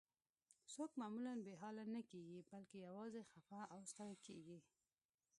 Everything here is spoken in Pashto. څوک معمولاً بې حاله نه کیږي، بلکې یوازې خفه او ستړي کیږي.